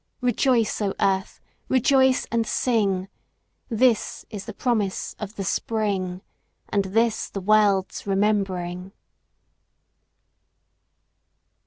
Rejoice, O Earth! Rejoice and sing! This is the promise of the Spring, And this the world's remembering.